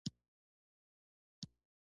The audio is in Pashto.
مچمچۍ د شاتو له لارې پیژندل کېږي